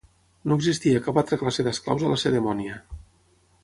No existia cap altra classe d'esclaus a Lacedemònia.